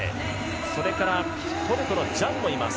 それからトルコのジャンもいます。